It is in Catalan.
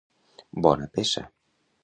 Bona peça.